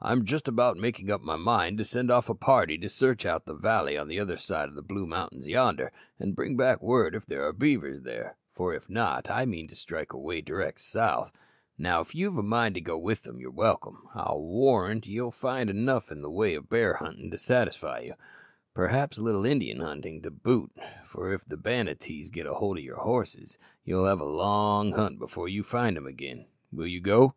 I'm just about making up my mind to send off a party to search out the valley on the other side of the Blue Mountains yonder, and bring back word if there are beaver there; for if not, I mean to strike away direct south. Now, if you've a mind to go with them, you're welcome. I'll warrant you'll find enough in the way of bear hunting to satisfy you; perhaps a little Indian hunting to boot, for if the Banattees get hold of your horses, you'll have a long hunt before you find them again. Will you go?"